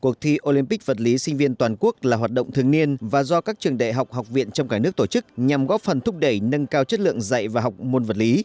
cuộc thi olympic vật lý sinh viên toàn quốc là hoạt động thường niên và do các trường đại học học viện trong cả nước tổ chức nhằm góp phần thúc đẩy nâng cao chất lượng dạy và học môn vật lý